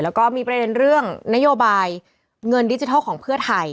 แล้วก็มีประเด็นเรื่องนโยบายเงินดิจิทัลของเพื่อไทย